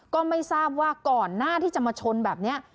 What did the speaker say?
ก็ไม่ทราบว่าก่อนหน้าที่จะมาชนแบบนี้